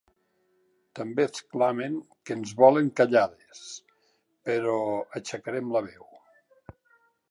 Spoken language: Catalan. També exclamen que “ens volen callades, però aixecarem la veu!”.